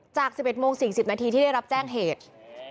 จาก๑๑โมง๔๐นาทีที่ได้รับแจ้งเหตุ